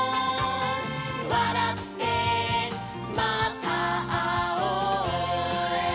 「わらってまたあおう」